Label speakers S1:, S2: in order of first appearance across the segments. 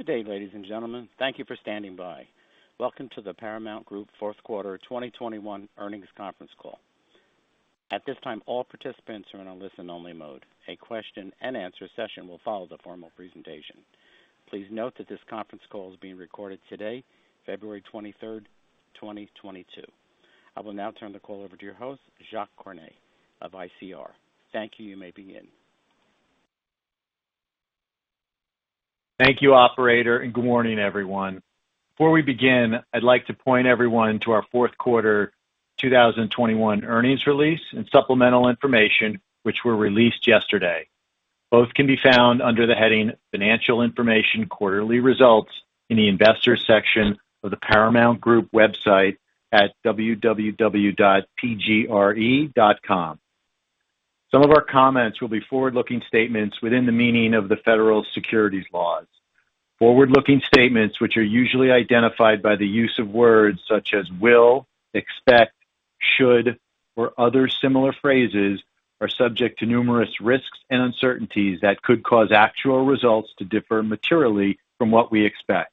S1: Good day, ladies and gentlemen. Thank you for standing by. Welcome to The Paramount Group Fourth Quarter 2021 Earnings Conference Call. At this time, all participants are in a listen-only mode. A question-and-answer session will follow the formal presentation. Please note that this conference call is being recorded today, February 23rd, 2022. I will now turn the call over to your host, Jacques Cornet of ICR. Thank you. You may begin.
S2: Thank you, operator, and good morning, everyone. Before we begin, I'd like to point everyone to our fourth quarter 2021 earnings release and supplemental information, which were released yesterday. Both can be found under the heading Financial Information Quarterly Results in the Investors section of the Paramount Group website at www.pgre.com. Some of our comments will be forward-looking statements within the meaning of the federal securities laws. Forward-looking statements, which are usually identified by the use of words such as will, expect, should, or other similar phrases, are subject to numerous risks and uncertainties that could cause actual results to differ materially from what we expect.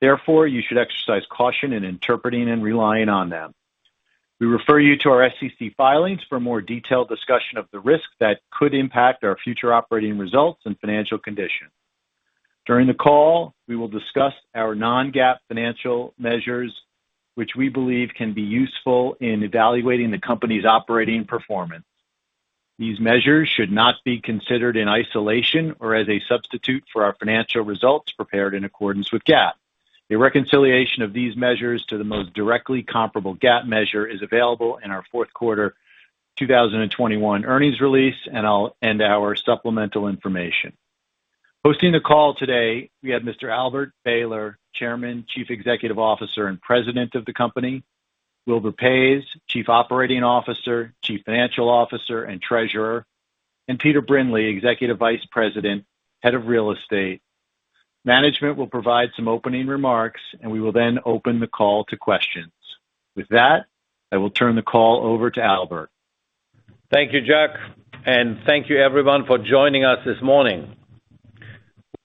S2: Therefore, you should exercise caution in interpreting and relying on them. We refer you to our SEC filings for more detailed discussion of the risks that could impact our future operating results and financial condition. During the call, we will discuss our non-GAAP financial measures, which we believe can be useful in evaluating the company's operating performance. These measures should not be considered in isolation or as a substitute for our financial results prepared in accordance with GAAP. A reconciliation of these measures to the most directly comparable GAAP measure is available in our fourth quarter 2021 earnings release, and in our supplemental information. Hosting the call today, we have Mr. Albert Behler, Chairman, Chief Executive Officer, and President of the company; Wilbur Paes, Chief Operating Officer, Chief Financial Officer, and Treasurer; and Peter Brindley, Executive Vice President, Head of Real Estate. Management will provide some opening remarks, and we will then open the call to questions. With that, I will turn the call over to Albert.
S3: Thank you, Jacques, and thank you everyone for joining us this morning.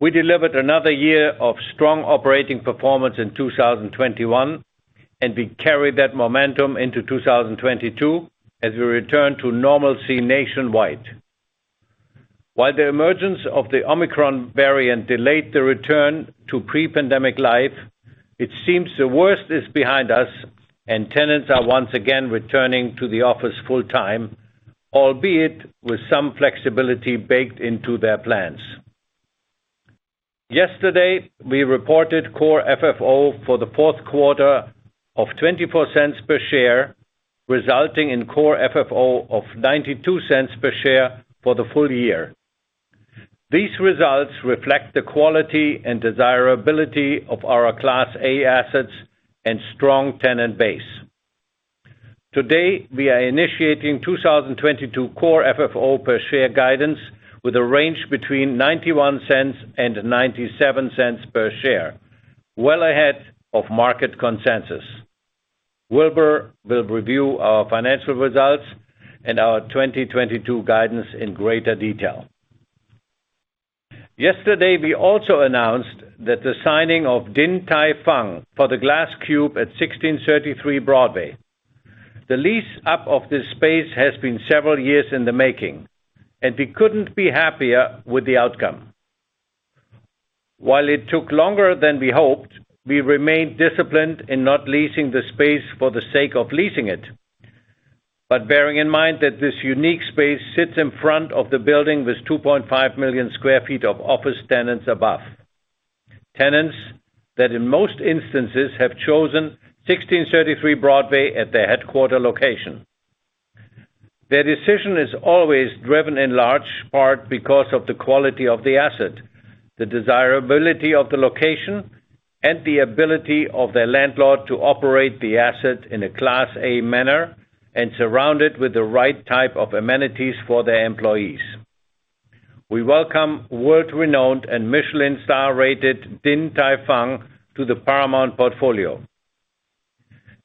S3: We delivered another year of strong operating performance in 2021, and we carry that momentum into 2022 as we return to normalcy nationwide. While the emergence of the Omicron variant delayed the return to pre-pandemic life, it seems the worst is behind us and tenants are once again returning to the office full time, albeit with some flexibility baked into their plans. Yesterday, we reported Core FFO for the fourth quarter of $0.24 per share, resulting in Core FFO of $0.92 per share for the full year. These results reflect the quality and desirability of our Class A assets and strong tenant base. Today, we are initiating 2022 Core FFO per share guidance with a range between $0.91 and $0.97 per share, well ahead of market consensus. Wilbur will review our financial results and our 2022 guidance in greater detail. Yesterday, we also announced that the signing of Din Tai Fung for the Glass Cube at 1633 Broadway. The lease up of this space has been several years in the making, and we couldn't be happier with the outcome. While it took longer than we hoped, we remained disciplined in not leasing the space for the sake of leasing it. Bearing in mind that this unique space sits in front of the building with 2.5 million sq ft of office tenants above. Tenants that in most instances have chosen 1633 Broadway at their headquarters location. Their decision is always driven in large part because of the quality of the asset, the desirability of the location, and the ability of their landlord to operate the asset in a Class A manner and surround it with the right type of amenities for their employees. We welcome world-renowned and Michelin star-rated Din Tai Fung to the Paramount portfolio.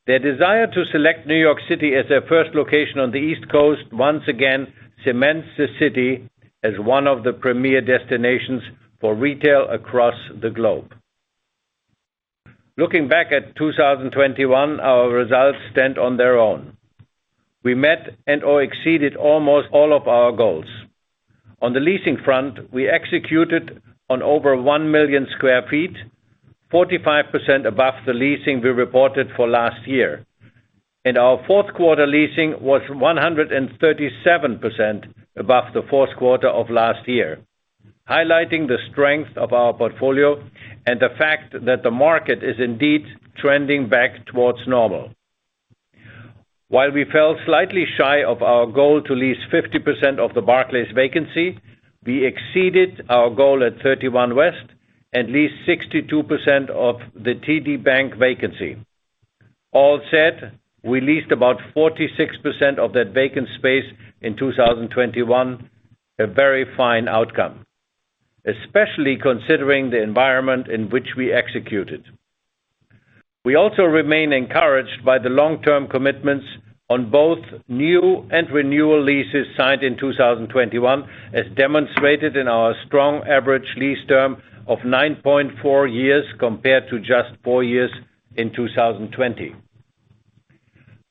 S3: Their desire to select New York City as their first location on the East Coast once again cements the city as one of the premier destinations for retail across the globe. Looking back at 2021, our results stand on their own. We met and or exceeded almost all of our goals. On the leasing front, we executed on over 1 million sq ft, 45% above the leasing we reported for last year. Our fourth quarter leasing was 137% above the fourth quarter of last year, highlighting the strength of our portfolio and the fact that the market is indeed trending back towards normal. While we fell slightly shy of our goal to lease 50% of the Barclays vacancy, we exceeded our goal at 31 West and leased 62% of the TD Bank vacancy. All said, we leased about 46% of that vacant space in 2021, a very fine outcome, especially considering the environment in which we executed. We also remain encouraged by the long-term commitments on both new and renewal leases signed in 2021, as demonstrated in our strong average lease term of 9.4 years compared to just four years in 2020.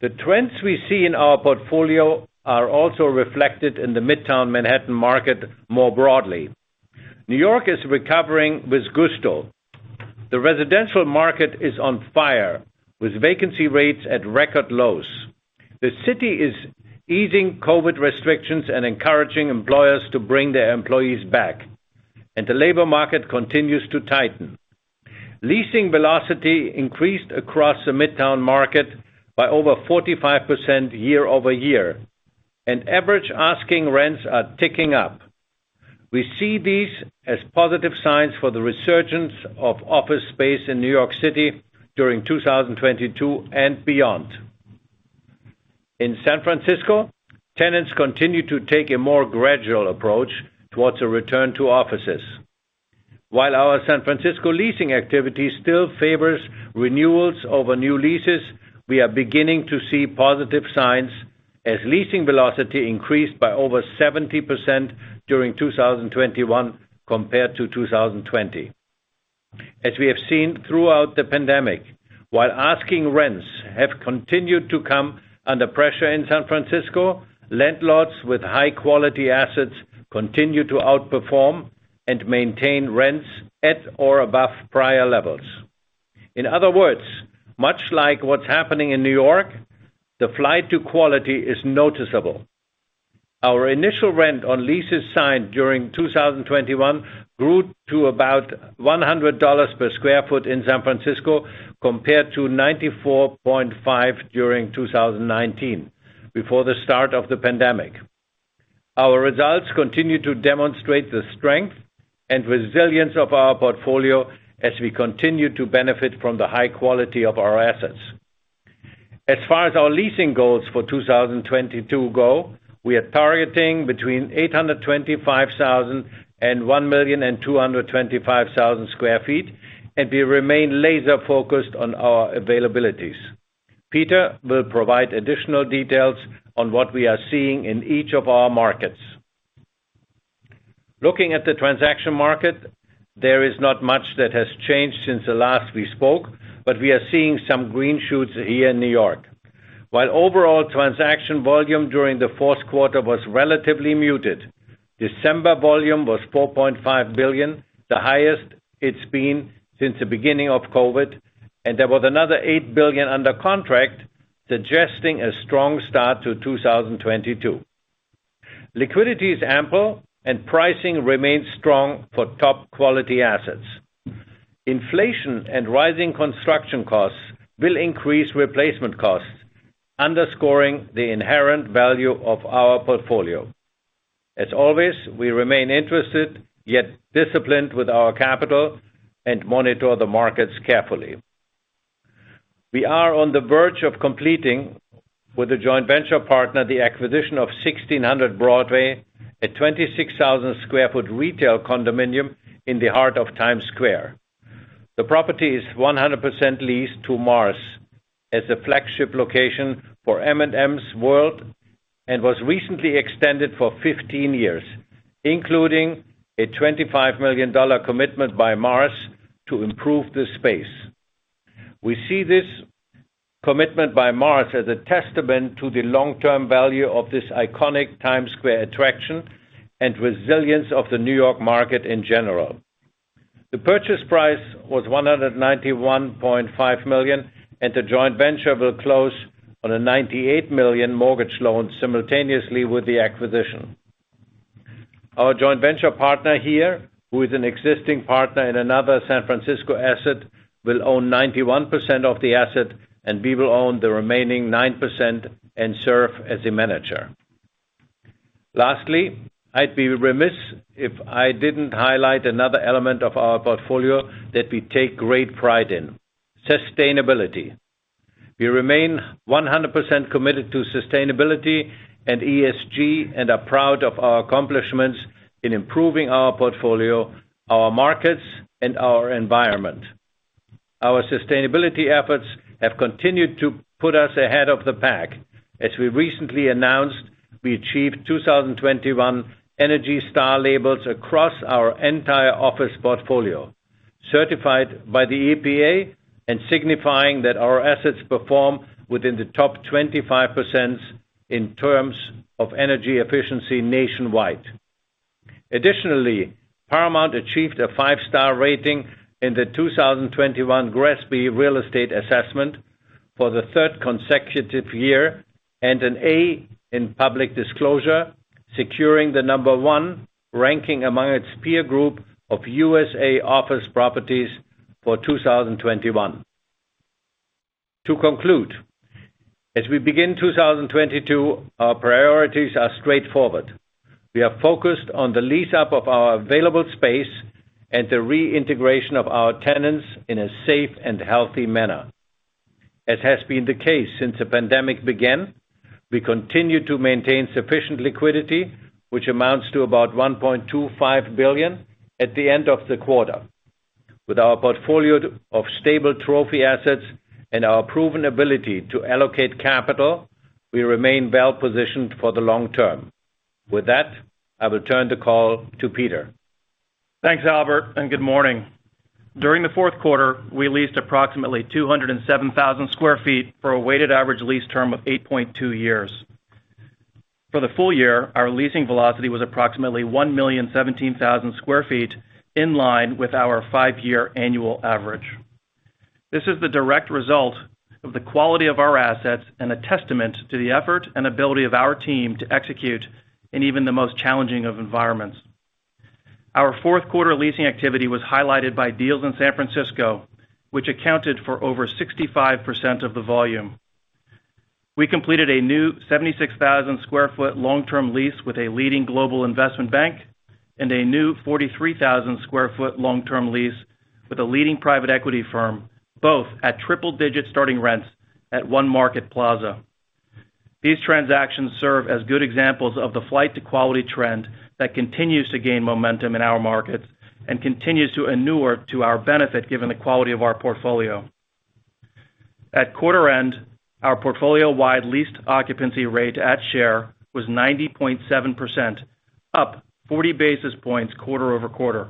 S3: The trends we see in our portfolio are also reflected in the Midtown Manhattan market more broadly. New York is recovering with gusto. The residential market is on fire, with vacancy rates at record lows. The city is easing COVID restrictions and encouraging employers to bring their employees back, and the labor market continues to tighten. Leasing velocity increased across the Midtown market by over 45% year-over-year, and average asking rents are ticking up. We see these as positive signs for the resurgence of office space in New York City during 2022 and beyond. In San Francisco, tenants continue to take a more gradual approach towards a return to offices. While our San Francisco leasing activity still favors renewals over new leases, we are beginning to see positive signs as leasing velocity increased by over 70% during 2021 compared to 2020. As we have seen throughout the pandemic, while asking rents have continued to come under pressure in San Francisco, landlords with high-quality assets continue to outperform and maintain rents at or above prior levels. In other words, much like what's happening in New York, the flight to quality is noticeable. Our initial rent on leases signed during 2021 grew to about $100 per sq ft in San Francisco compared to 94.5 during 2019, before the start of the pandemic. Our results continue to demonstrate the strength and resilience of our portfolio as we continue to benefit from the high quality of our assets. As far as our leasing goals for 2022 go, we are targeting between 825,000 sq ft-1,225,000 sq ft, and we remain laser focused on our availabilities. Peter will provide additional details on what we are seeing in each of our markets. Looking at the transaction market, there is not much that has changed since the last we spoke, but we are seeing some green shoots here in New York. While overall transaction volume during the fourth quarter was relatively muted, December volume was $4.5 billion, the highest it's been since the beginning of COVID, and there was another $8 billion under contract, suggesting a strong start to 2022. Liquidity is ample and pricing remains strong for top quality assets. Inflation and rising construction costs will increase replacement costs, underscoring the inherent value of our portfolio. As always, we remain interested yet disciplined with our capital and monitor the markets carefully. We are on the verge of completing with a joint venture partner the acquisition of 1600 Broadway, a 26,000 sq ft retail condominium in the heart of Times Square. The property is 100% leased to Mars as the flagship location for M&M's World and was recently extended for 15 years, including a $25 million commitment by Mars to improve the space. We see this commitment by Mars as a testament to the long-term value of this iconic Times Square attraction and resilience of the New York market in general. The purchase price was $191.5 million, and the joint venture will close on a $98 million mortgage loan simultaneously with the acquisition. Our joint venture partner here, who is an existing partner in another San Francisco asset, will own 91% of the asset, and we will own the remaining 9% and serve as a manager. Lastly, I'd be remiss if I didn't highlight another element of our portfolio that we take great pride in, sustainability. We remain 100% committed to sustainability and ESG and are proud of our accomplishments in improving our portfolio, our markets, and our environment. Our sustainability efforts have continued to put us ahead of the pack. As we recently announced, we achieved 2021 ENERGY STAR labels across our entire office portfolio, certified by the EPA and signifying that our assets perform within the top 25% in terms of energy efficiency nationwide. Additionally, Paramount achieved a five-star rating in the 2021 GRESB Real Estate Assessment for the third consecutive year and an A in public disclosure, securing the number one ranking among its peer group of USA office properties for 2021. To conclude, as we begin 2022, our priorities are straightforward. We are focused on the lease-up of our available space and the reintegration of our tenants in a safe and healthy manner. As has been the case since the pandemic began, we continue to maintain sufficient liquidity, which amounts to about $1.25 billion at the end of the quarter. With our portfolio of stable trophy assets and our proven ability to allocate capital, we remain well-positioned for the long term. With that, I will turn the call to Peter.
S4: Thanks, Albert, and good morning. During the fourth quarter, we leased approximately 207,000 sq ft for a weighted average lease term of 8.2 years. For the full year, our leasing velocity was approximately 1,017,000 sq ft, in line with our five-year annual average. This is the direct result of the quality of our assets and a testament to the effort and ability of our team to execute in even the most challenging of environments. Our fourth quarter leasing activity was highlighted by deals in San Francisco, which accounted for over 65% of the volume. We completed a new 76,000 sq ft long-term lease with a leading global investment bank and a new 43,000 sq ft long-term lease with a leading private equity firm, both at triple-digit starting rents at One Market Plaza. These transactions serve as good examples of the flight to quality trend that continues to gain momentum in our markets and continues to inure to our benefit, given the quality of our portfolio. At quarter end, our portfolio-wide leased occupancy rate at SF was 90.7%, up 40 basis points quarter-over-quarter.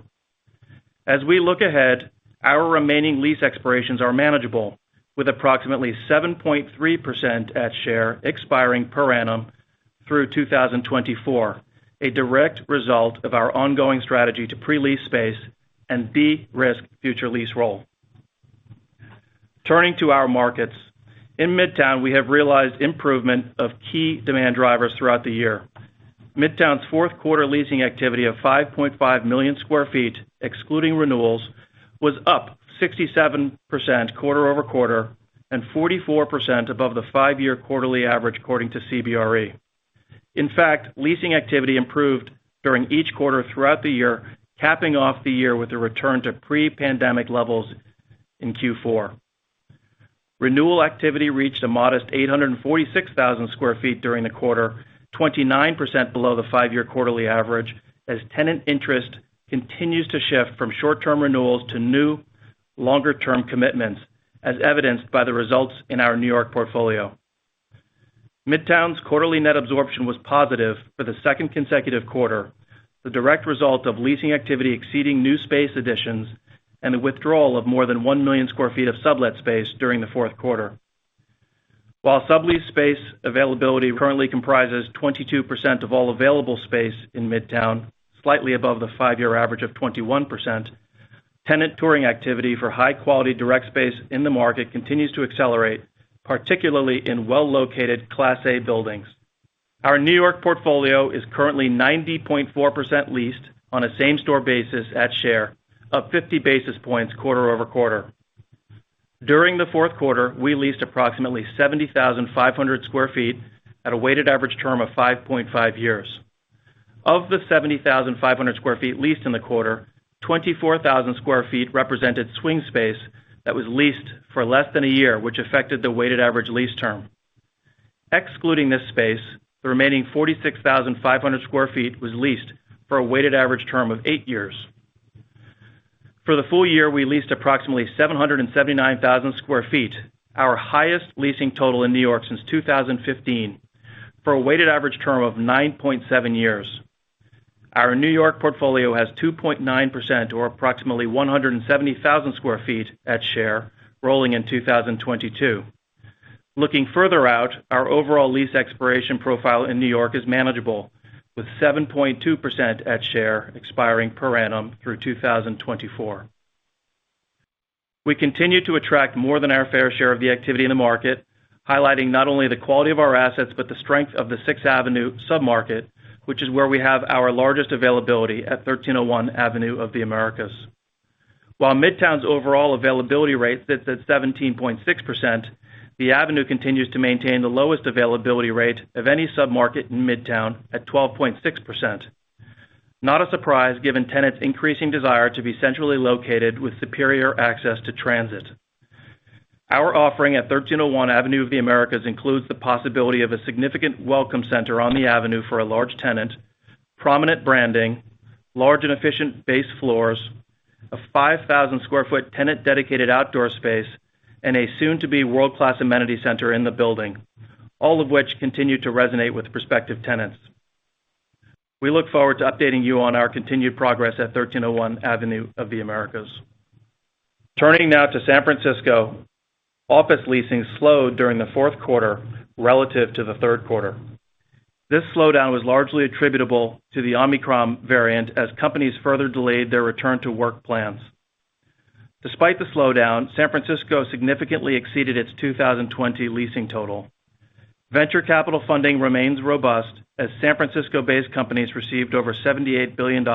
S4: As we look ahead, our remaining lease expirations are manageable, with approximately 7.3% at SF expiring per annum through 2024, a direct result of our ongoing strategy to pre-lease space and de-risk future lease roll. Turning to our markets. In Midtown, we have realized improvement of key demand drivers throughout the year. Midtown's fourth quarter leasing activity of 5.5 million sq ft, excluding renewals, was up 67% quarter-over-quarter and 44% above the five-year quarterly average, according to CBRE. In fact, leasing activity improved during each quarter throughout the year, capping off the year with a return to pre-pandemic levels in Q4. Renewal activity reached a modest 846,000 sq ft during the quarter, 29% below the five-year quarterly average, as tenant interest continues to shift from short-term renewals to new longer-term commitments, as evidenced by the results in our New York portfolio. Midtown's quarterly net absorption was positive for the second consecutive quarter, the direct result of leasing activity exceeding new space additions and the withdrawal of more than 1 million sq ft of sublet space during the fourth quarter. While sublease space availability currently comprises 22% of all available space in Midtown, slightly above the five-year average of 21%, tenant touring activity for high-quality direct space in the market continues to accelerate, particularly in well-located Class A buildings. Our New York portfolio is currently 90.4% leased on a same-store basis at Share, up 50 basis points quarter-over-quarter. During the fourth quarter, we leased approximately 75,500 sq ft at a weighted average term of 5.5 years. Of the 75,500 sq ft leased in the quarter, 24,000 sq ft represented swing space that was leased for less than a year, which affected the weighted average lease term. Excluding this space, the remaining 46,500 sq ft was leased for a weighted average term of eight years. For the full year, we leased approximately 779,000 sq ft, our highest leasing total in New York since 2015, for a weighted average term of 9.7 years. Our New York portfolio has 2.9% or approximately 170,000 sq ft of space rolling in 2022. Looking further out, our overall lease expiration profile in New York is manageable, with 7.2% of space expiring per annum through 2024. We continue to attract more than our fair share of the activity in the market, highlighting not only the quality of our assets, but the strength of the Sixth Avenue submarket, which is where we have our largest availability at 1301 Avenue of the Americas. While Midtown's overall availability rate sits at 17.6%, the Avenue continues to maintain the lowest availability rate of any submarket in Midtown at 12.6%. Not a surprise, given tenants' increasing desire to be centrally located with superior access to transit. Our offering at 1301 Avenue of the Americas includes the possibility of a significant welcome center on the Avenue for a large tenant, prominent branding, large and efficient base floors, a 5,000 sq ft tenant dedicated outdoor space, and a soon-to-be world-class amenity center in the building, all of which continue to resonate with prospective tenants. We look forward to updating you on our continued progress at 1301 Avenue of the Americas. Turning now to San Francisco, office leasing slowed during the fourth quarter relative to the third quarter. This slowdown was largely attributable to the Omicron variant as companies further delayed their return to work plans. Despite the slowdown, San Francisco significantly exceeded its 2020 leasing total. Venture capital funding remains robust as San Francisco-based companies received over $78 billion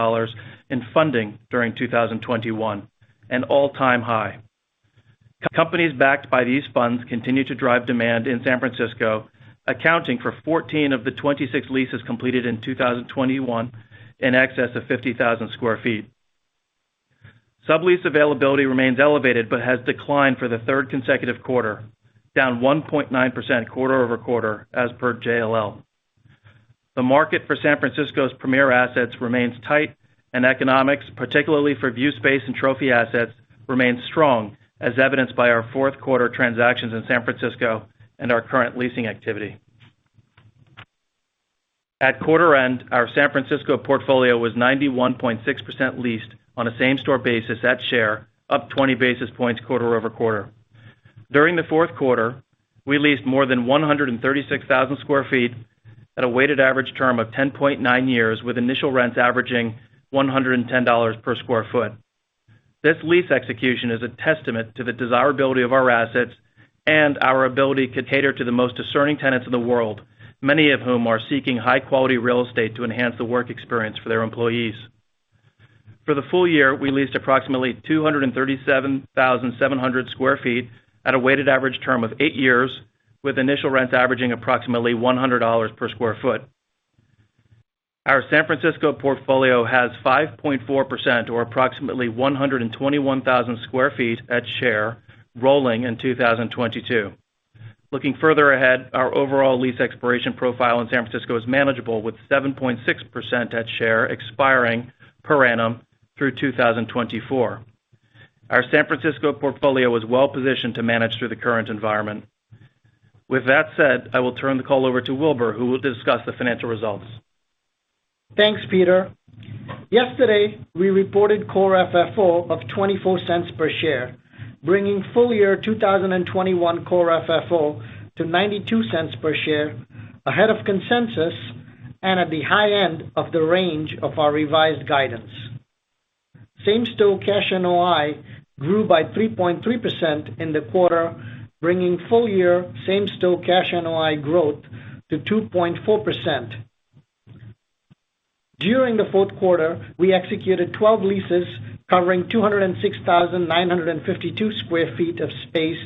S4: in funding during 2021, an all-time high. Companies backed by these funds continue to drive demand in San Francisco, accounting for 14 of the 26 leases completed in 2021 in excess of 50,000 sq ft. Sublease availability remains elevated, but has declined for the third consecutive quarter, down 1.9% quarter-over-quarter as per JLL. The market for San Francisco's premier assets remains tight, and economics, particularly for view space and trophy assets, remains strong, as evidenced by our fourth quarter transactions in San Francisco and our current leasing activity. At quarter end, our San Francisco portfolio was 91.6% leased on a same-store basis at share, up 20 basis points quarter-over-quarter. During the fourth quarter, we leased more than 136,000 sq ft at a weighted average term of 10.9 years, with initial rents averaging $110 per sq ft. This lease execution is a testament to the desirability of our assets and our ability to cater to the most discerning tenants in the world, many of whom are seeking high-quality real estate to enhance the work experience for their employees. For the full year, we leased approximately 237,700 sq ft at a weighted average term of eight years, with initial rents averaging approximately $100 per sq ft. Our San Francisco portfolio has 5.4% or approximately 121,000 sq ft at share rolling in 2022. Looking further ahead, our overall lease expiration profile in San Francisco is manageable, with 7.6% at risk expiring per annum through 2024. Our San Francisco portfolio is well-positioned to manage through the current environment. With that said, I will turn the call over to Wilbur, who will discuss the financial results.
S5: Thanks, Peter. Yesterday, we reported core FFO of $0.24 per share, bringing full year 2021 core FFO to $0.92 per share, ahead of consensus and at the high end of the range of our revised guidance. Same-store cash NOI grew by 3.3% in the quarter, bringing full year same-store cash NOI growth to 2.4%. During the fourth quarter, we executed 12 leases covering 206,952 sq ft of space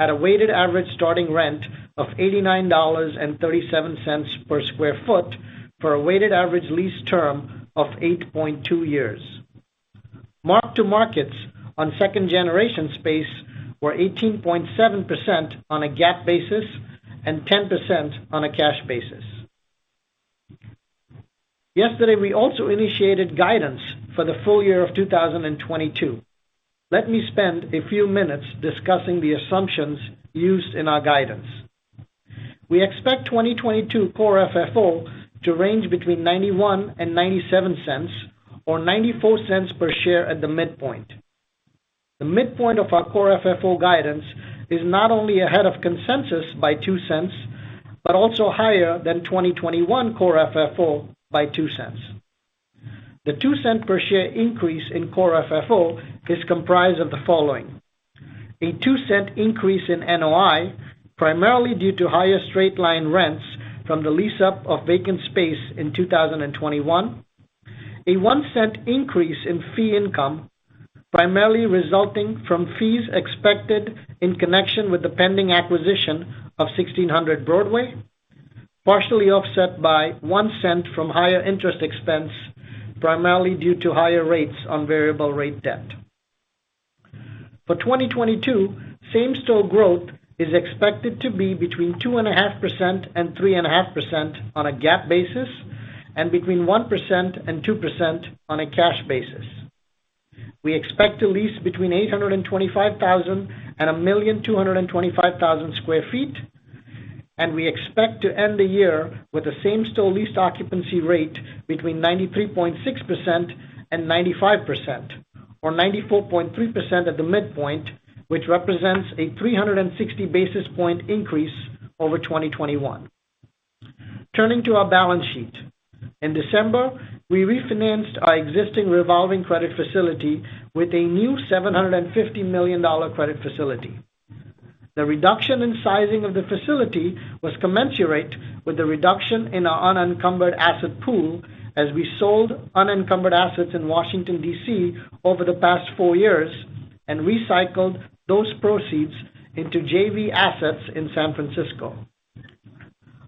S5: at a weighted average starting rent of $89.37 per sq ft for a weighted average lease term of 8.2 years. Mark-to-markets on second generation space were 18.7% on a GAAP basis and 10% on a cash basis. Yesterday, we also initiated guidance for the full year of 2022. Let me spend a few minutes discussing the assumptions used in our guidance. We expect 2022 Core FFO to range between $0.91 and $0.97 or $0.94 per share at the midpoint. The midpoint of our Core FFO guidance is not only ahead of consensus by $0.02, but also higher than 2021 Core FFO by $0.02. The $0.02 per share increase in Core FFO is comprised of the following. A $0.02 increase in NOI, primarily due to higher straight-line rents from the lease-up of vacant space in 2021. A $0.01 increase in fee income, primarily resulting from fees expected in connection with the pending acquisition of 1600 Broadway, partially offset by $0.01 from higher interest expense, primarily due to higher rates on variable rate debt. For 2022, same-store growth is expected to be between 2.5% and 3.5% on a GAAP basis and between 1% and 2% on a cash basis. We expect to lease between 825,000 and 1,225,000 sq ft, and we expect to end the year with the same-store lease occupancy rate between 93.6% and 95%, or 94.3% at the midpoint, which represents a 360 basis point increase over 2021. Turning to our balance sheet. In December, we refinanced our existing revolving credit facility with a new $750 million credit facility. The reduction in sizing of the facility was commensurate with the reduction in our unencumbered asset pool as we sold unencumbered assets in Washington, D.C. over the past four years and recycled those proceeds into JV assets in San Francisco.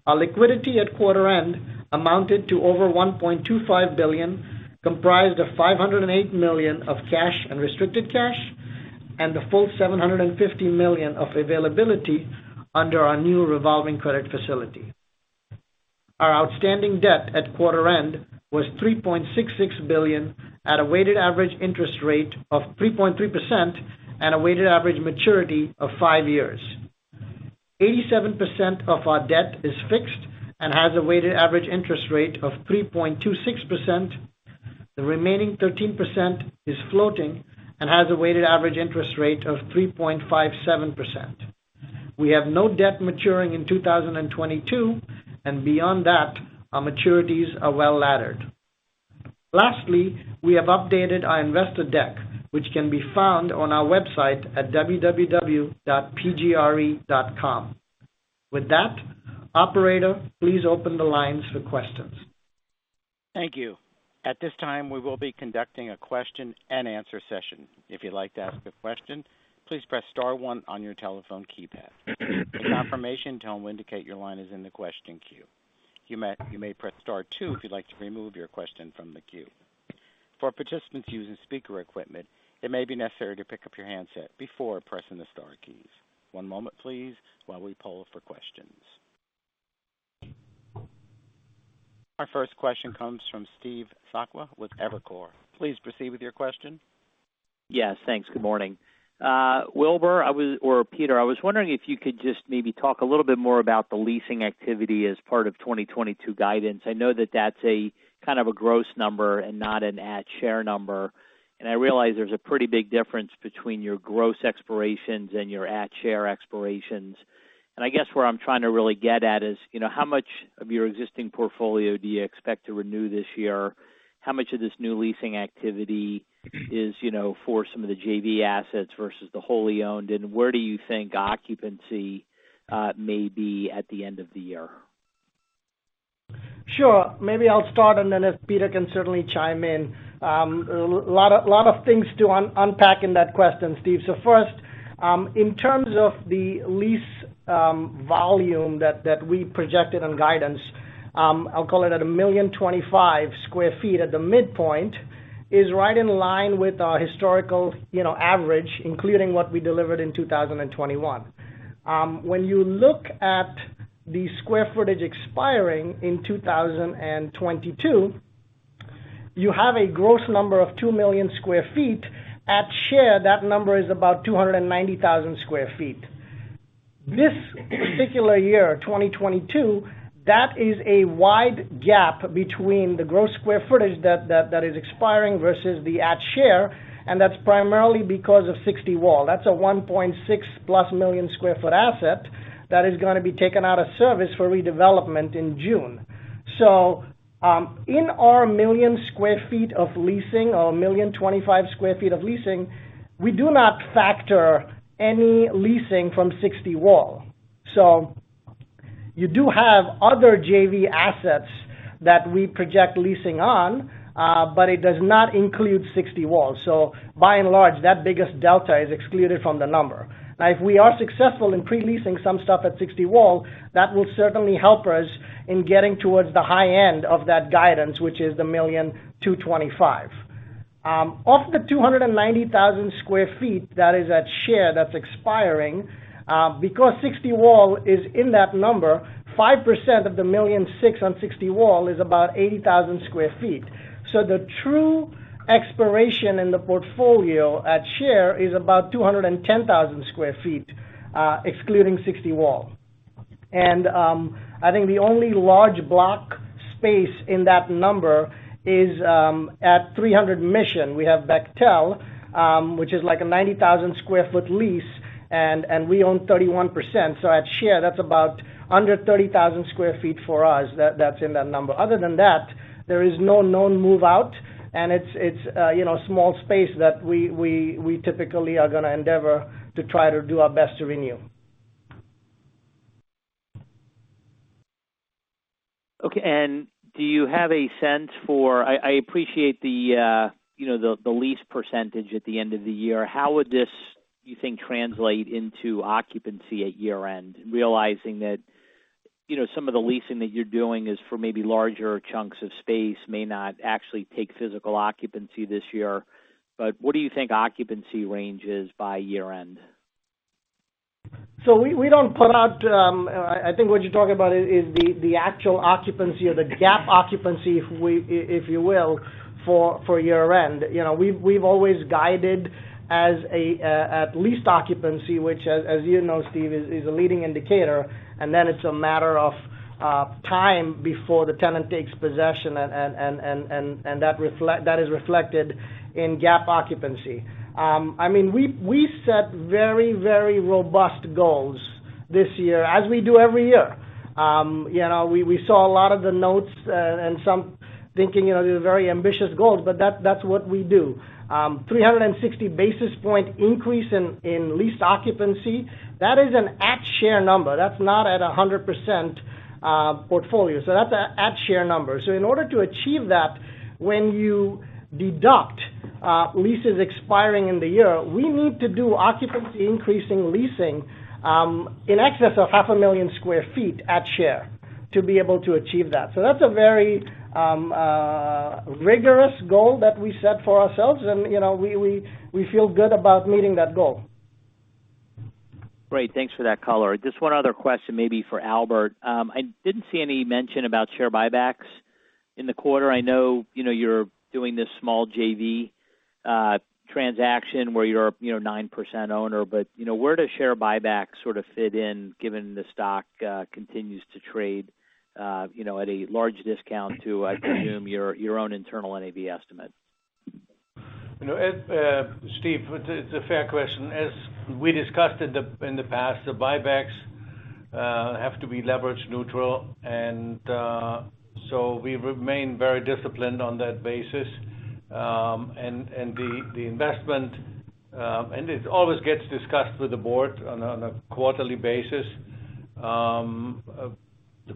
S5: Our liquidity at quarter end amounted to over $1.25 billion, comprised of $508 million of cash and restricted cash, and the full $750 million of availability under our new revolving credit facility. Our outstanding debt at quarter end was $3.66 billion at a weighted average interest rate of 3.3% and a weighted average maturity of 5 years. 87% of our debt is fixed and has a weighted average interest rate of 3.26%. The remaining 13% is floating and has a weighted average interest rate of 3.57%. We have no debt maturing in 2022, and beyond that, our maturities are well-laddered. Lastly, we have updated our investor deck, which can be found on our website at www.pgre.com. With that, operator, please open the lines for questions.
S1: Thank you. At this time, we will be conducting a question-and-answer session. If you'd like to ask a question, please press star one on your telephone keypad. A confirmation tone will indicate your line is in the question queue. Our first question comes from Steve Sakwa with Evercore. Please proceed with your question.
S6: Yes, thanks. Good morning. Wilbur, or Peter, I was wondering if you could just maybe talk a little bit more about the leasing activity as part of 2022 guidance. I know that that's a kind of a gross number and not an at-share number. I realize there's a pretty big difference between your gross expirations and your at-share expirations. I guess where I'm trying to really get at is, you know, how much of your existing portfolio do you expect to renew this year? How much of this new leasing activity is, you know, for some of the JV assets versus the wholly owned? Where do you think occupancy may be at the end of the year?
S5: Sure. Maybe I'll start and then if Peter can certainly chime in. Lot of things to unpack in that question, Steve. First, in terms of the lease volume that we projected on guidance, I'll call it at 1.025 million sq ft at the midpoint, is right in line with our historical, you know, average, including what we delivered in 2021. When you look at the square footage expiring in 2022, you have a gross number of 2 million sq ft. At share, that number is about 290,000 sq ft. This particular year, 2022, that is a wide gap between the gross square footage that is expiring versus the at share, and that's primarily because of Sixty Wall. That's a 1.6+ million sq ft asset that is gonna be taken out of service for redevelopment in June. In our 1 million sq ft of leasing or 1.025 million sq ft of leasing, we do not factor any leasing from Sixty Wall. You do have other JV assets that we project leasing on, but it does not include Sixty Wall. By and large, that biggest delta is excluded from the number. Now, if we are successful in pre-leasing some stuff at Sixty Wall, that will certainly help us in getting towards the high end of that guidance, which is the 1.225 million. Of the 290,000 sq ft that is at share that's expiring, because Sixty Wall is in that number, 5% of the 1.6 million on Sixty Wall is about 80,000 sq ft. The true expiration in the portfolio at share is about 210,000 sq ft, excluding Sixty Wall. I think the only large block space in that number is at Three Hundred Mission. We have Bechtel, which is like a 90,000 sq ft lease, and we own 31%. At share, that's about under 30,000 sq ft for us that's in that number. Other than that, there is no known move out, and it's you know, small space that we typically are gonna endeavor to try to do our best to renew.
S6: Okay. I appreciate the, you know, the lease percentage at the end of the year. How would this, you think, translate into occupancy at year-end, realizing that, you know, some of the leasing that you're doing is for maybe larger chunks of space may not actually take physical occupancy this year, but what do you think occupancy range is by year-end?
S5: We don't put out. I think what you're talking about is the actual occupancy or the GAAP occupancy, if you will, for year-end. You know, we've always guided as at leased occupancy, which, as you know, Steve, is a leading indicator, and then it's a matter of time before the tenant takes possession and that is reflected in GAAP occupancy. I mean, we set very robust goals this year, as we do every year. You know, we saw a lot of the notes and some thinking, you know, they're very ambitious goals, but that's what we do. 360 basis points increase in leased occupancy, that is an at-share number. That's not at 100%, portfolio. That's a per-share number. In order to achieve that, when you deduct leases expiring in the year, we need to do occupancy increasing leasing in excess of 500,000 sq ft per share to be able to achieve that. That's a very rigorous goal that we set for ourselves and, you know, we feel good about meeting that goal.
S6: Great. Thanks for that color. Just one other question maybe for Albert. I didn't see any mention about share buybacks in the quarter. I know, you know, you're doing this small JV transaction where you're, you know, 9% owner, but, you know, where does share buyback sort of fit in given the stock continues to trade, you know, at a large discount to, I presume, your own internal NAV estimate?
S3: You know, Steve, it's a fair question. As we discussed in the past, the buybacks have to be leverage neutral and so we remain very disciplined on that basis. The investment and it always gets discussed with the board on a quarterly basis. The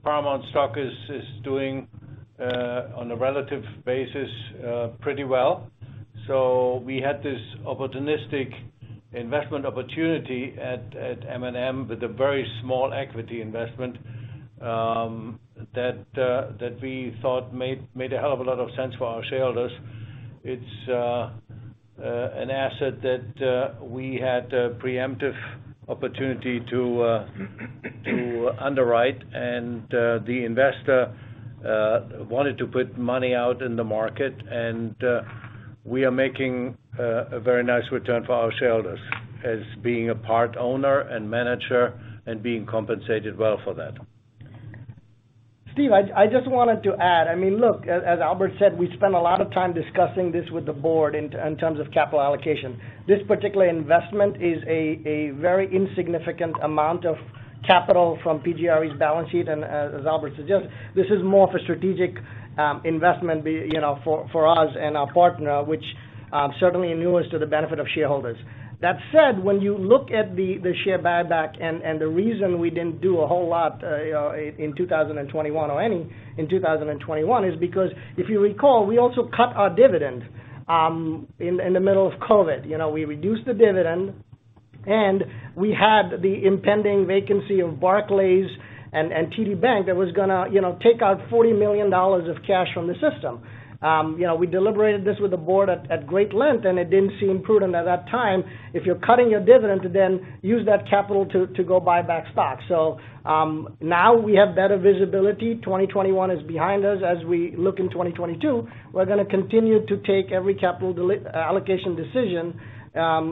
S3: Paramount stock is doing on a relative basis pretty well. We had this opportunistic investment opportunity at M&M with a very small equity investment that we thought made a hell of a lot of sense for our shareholders. It's an asset that we had a preemptive opportunity to underwrite, and the investor wanted to put money out in the market. We are making a very nice return for our shareholders as being a part owner and manager and being compensated well for that.
S5: Steve, I just wanted to add. I mean, look, as Albert said, we spent a lot of time discussing this with the board in terms of capital allocation. This particular investment is a very insignificant amount of capital from PGRE's balance sheet, and as Albert suggested, this is more of a strategic investment, you know, for us and our partner, which certainly inures to the benefit of shareholders. That said, when you look at the share buyback and the reason we didn't do a whole lot, you know, in 2021 is because if you recall, we also cut our dividend in the middle of COVID. You know, we reduced the dividend, and we had the impending vacancy of Barclays and TD Bank that was gonna, you know, take out $40 million of cash from the system. You know, we deliberated this with the board at great length, and it didn't seem prudent at that time, if you're cutting your dividend to then use that capital to go buy back stock. Now we have better visibility. 2021 is behind us. As we look in 2022, we're gonna continue to take every capital allocation decision,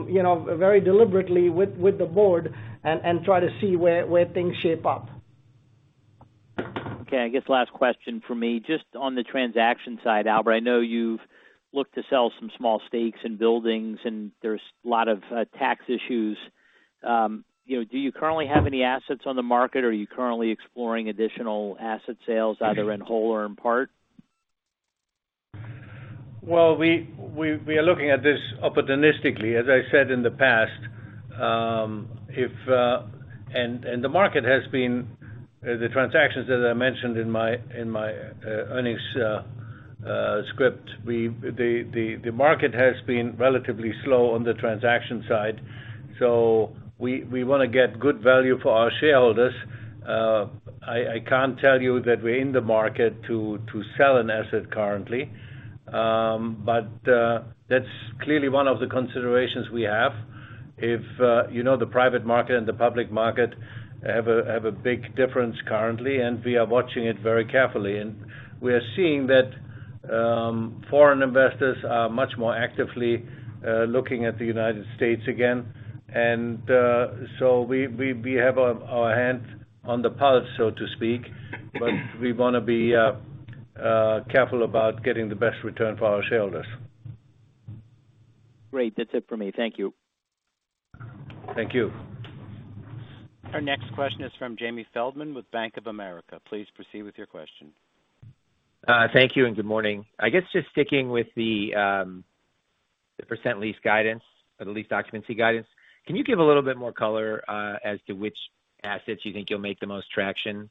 S5: you know, very deliberately with the board and try to see where things shape up.
S6: Okay. I guess last question from me, just on the transaction side, Albert, I know you've looked to sell some small stakes in buildings, and there's a lot of, tax issues. You know, do you currently have any assets on the market or are you currently exploring additional asset sales either in whole or in part?
S3: Well, we are looking at this opportunistically. As I said in the past, the market has been relatively slow on the transaction side, as I mentioned in my earnings script. We wanna get good value for our shareholders. I can't tell you that we're in the market to sell an asset currently. But that's clearly one of the considerations we have. You know, the private market and the public market have a big difference currently, and we are watching it very carefully. We are seeing that foreign investors are much more actively looking at the United States again. We have our hand on the pulse, so to speak, but we wanna be careful about getting the best return for our shareholders.
S6: Great. That's it for me. Thank you.
S3: Thank you.
S1: Our next question is from Jamie Feldman with Bank of America. Please proceed with your question.
S7: Thank you and good morning. I guess just sticking with the percentage leased guidance or the leased occupancy guidance, can you give a little bit more color as to which assets you think you'll make the most traction?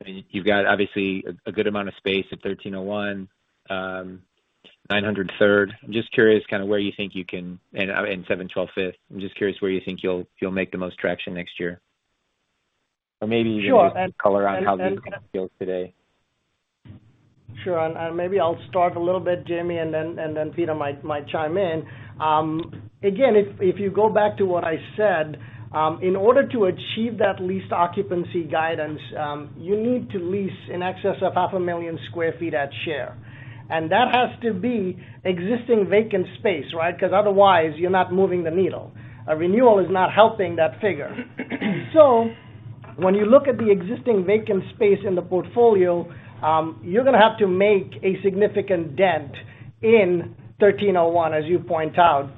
S7: I mean, you've got obviously a good amount of space at 1301, 900 Third, and 712 Fifth. I'm just curious where you think you'll make the most traction next year.
S5: Sure.
S7: Even just some color on how the market feels today.
S5: Sure. Maybe I'll start a little bit, Jamie, and then Peter might chime in. Again, if you go back to what I said, in order to achieve that lease occupancy guidance, you need to lease in excess of 500,000 sq ft at share. That has to be existing vacant space, right? 'Cause otherwise you're not moving the needle. A renewal is not helping that figure. When you look at the existing vacant space in the portfolio, you're gonna have to make a significant dent in 1301, as you point out.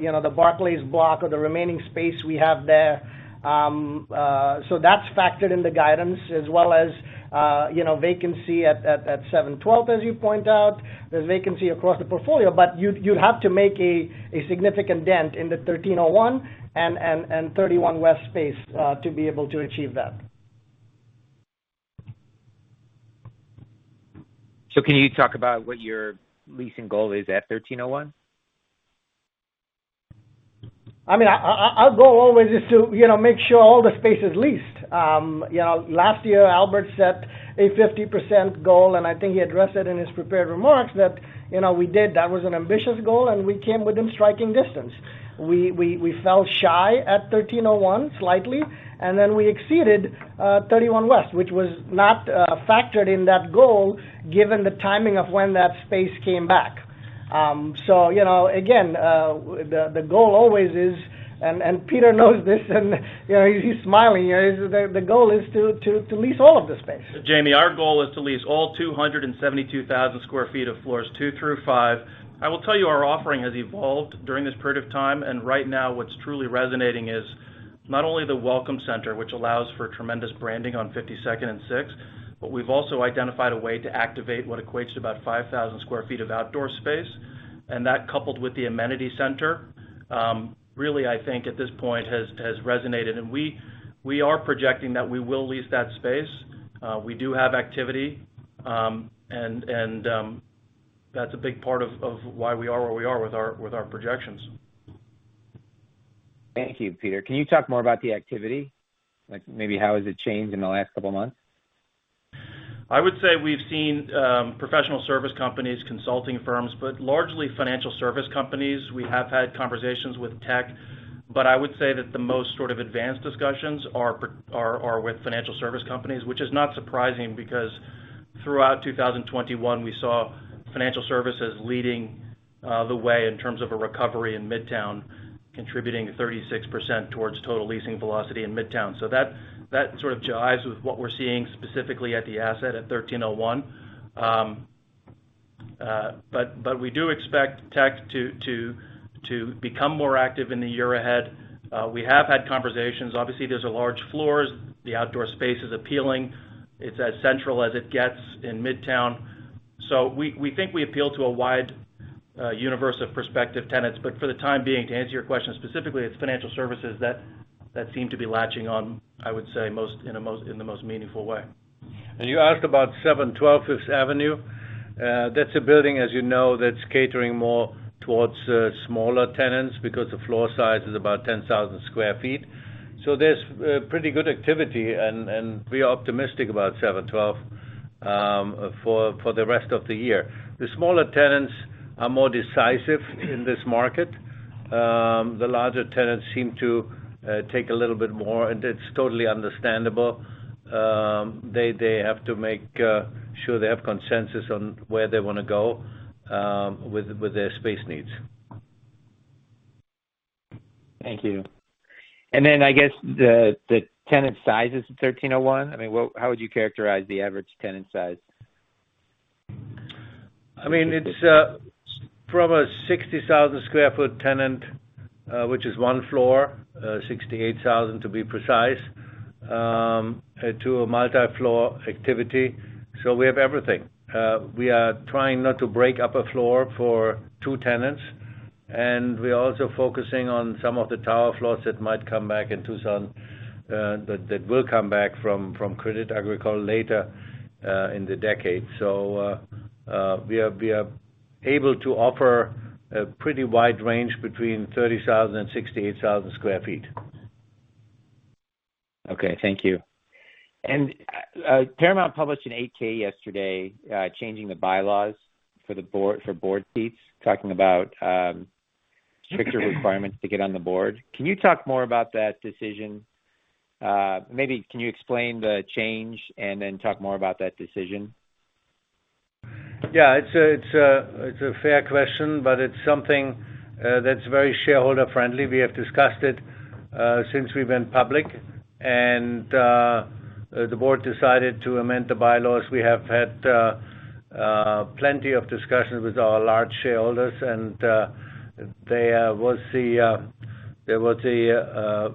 S5: You know, the Barclays block or the remaining space we have there, that's factored in the guidance as well as, you know, vacancy at 712, as you point out. There's vacancy across the portfolio, but you'd have to make a significant dent in the 1301 and 31 West space to be able to achieve that.
S7: Can you talk about what your leasing goal is at 1301?
S5: I mean, our goal always is to, you know, make sure all the space is leased. You know, last year Albert set a 50% goal, and I think he addressed it in his prepared remarks that, you know, we did. That was an ambitious goal, and we came within striking distance. We fell shy at 1301 slightly, and then we exceeded 31 West, which was not factored in that goal given the timing of when that space came back. You know, again, the goal always is, and Peter knows this and you know, he's smiling here, is the goal is to lease all of the space.
S4: Jamie, our goal is to lease all 272,000 sq ft of floors two through five. I will tell you our offering has evolved during this period of time, and right now what's truly resonating is not only the welcome center, which allows for tremendous branding on 52nd and 6th, but we've also identified a way to activate what equates to about 5,000 sq ft of outdoor space. That, coupled with the amenity center, really I think at this point has resonated. We are projecting that we will lease that space. We do have activity. That's a big part of why we are where we are with our projections.
S7: Thank you, Peter. Can you talk more about the activity? Like maybe how has it changed in the last couple of months?
S4: I would say we've seen professional service companies, consulting firms, but largely financial service companies. We have had conversations with tech, but I would say that the most sort of advanced discussions are with financial service companies, which is not surprising because throughout 2021, we saw financial services leading the way in terms of a recovery in Midtown, contributing 36% towards total leasing velocity in Midtown. That sort of jibes with what we're seeing specifically at the asset at 1301. But we do expect tech to become more active in the year ahead. We have had conversations. Obviously, those are large floors. The outdoor space is appealing. It's as central as it gets in Midtown. We think we appeal to a wide universe of prospective tenants. For the time being, to answer your question specifically, it's financial services that seem to be latching on, I would say, in the most meaningful way.
S3: You asked about Seven Twelve Fifth Avenue. That's a building, as you know, that's catering more towards smaller tenants because the floor size is about 10,000 sq ft. There's pretty good activity, and we are optimistic about Seven Twelve for the rest of the year. The smaller tenants are more decisive in this market. The larger tenants seem to take a little bit more, and it's totally understandable. They have to make sure they have consensus on where they wanna go with their space needs.
S7: Thank you. I guess the tenant sizes at 1301. I mean, how would you characterize the average tenant size?
S3: I mean, it's from a 60,000 sq ft tenant, which is one floor, 68,000, to be precise, to a multi-floor activity. We have everything. We are trying not to break up a floor for two tenants, and we are also focusing on some of the tower floors that might come back in Tucson, that will come back from Crédit Agricole later in the decade. We are able to offer a pretty wide range between 30,000 and 68,000 sq ft.
S7: Okay, thank you. Paramount published an 8-K yesterday, changing the bylaws for the board, for board seats, talking about stricter requirements to get on the board. Can you talk more about that decision? Maybe can you explain the change and then talk more about that decision?
S3: Yeah, it's a fair question, but it's something that's very shareholder friendly. We have discussed it since we went public, and the board decided to amend the bylaws. We have had plenty of discussions with our large shareholders, and there was a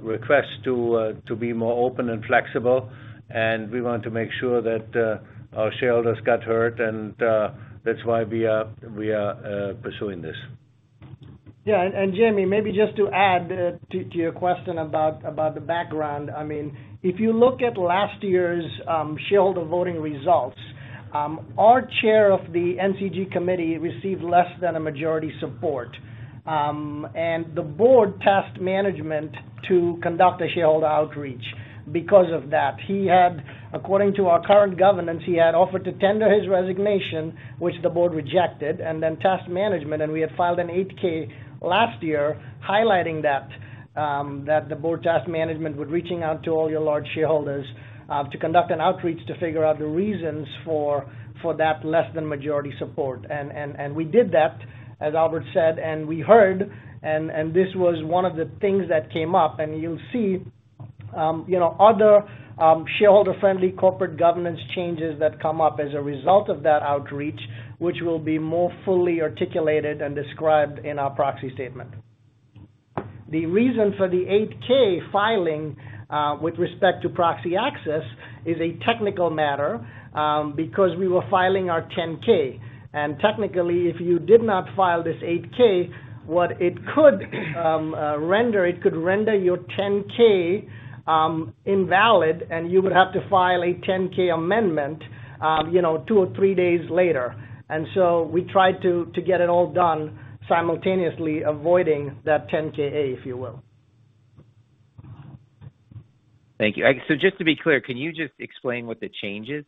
S3: request to be more open and flexible, and we want to make sure that our shareholders got heard, and that's why we are pursuing this.
S5: Jamie, maybe just to add to your question about the background. I mean, if you look at last year's shareholder voting results, our chair of the NCG Committee received less than a majority support. The board tasked management to conduct a shareholder outreach because of that. He had, according to our current governance, offered to tender his resignation, which the board rejected, and then tasked management, and we had filed an 8-K last year highlighting that the board tasked management with reaching out to all your large shareholders to conduct an outreach to figure out the reasons for that less than majority support. We did that, as Albert said, and we heard and this was one of the things that came up. You'll see, you know, other shareholder-friendly corporate governance changes that come up as a result of that outreach, which will be more fully articulated and described in our proxy statement. The reason for the 8-K filing with respect to proxy access is a technical matter because we were filing our 10-K. Technically, if you did not file this 8-K, it could render your 10-K invalid, and you would have to file a 10-K/A, you know, two or three days later. We tried to get it all done simultaneously, avoiding that 10-K/A, if you will.
S7: Thank you. Just to be clear, can you just explain what the change is?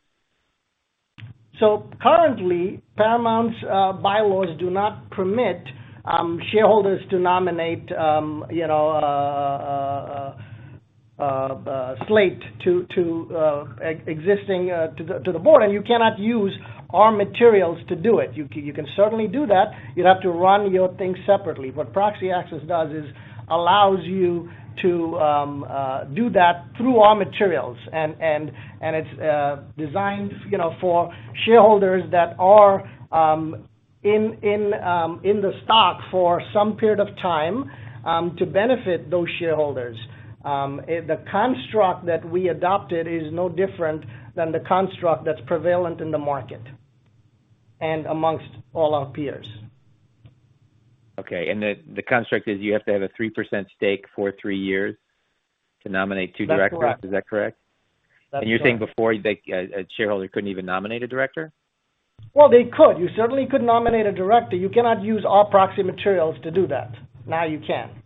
S5: Currently, Paramount's bylaws do not permit shareholders to nominate, you know, a slate to the existing board, and you cannot use our materials to do it. You can certainly do that. You'd have to run your thing separately. What proxy access does is allows you to do that through our materials and it's designed, you know, for shareholders that are in the stock for some period of time to benefit those shareholders. The construct that we adopted is no different than the construct that's prevalent in the market and amongst all our peers.
S7: Okay. The construct is you have to have a 3% stake for three years to nominate two directors.
S5: That's correct.
S7: Is that correct?
S5: That's correct.
S7: You're saying before a shareholder couldn't even nominate a director?
S5: Well, they could. You certainly could nominate a director. You cannot use our proxy materials to do that. Now you can.
S7: I see.